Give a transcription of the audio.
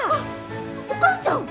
お母ちゃん！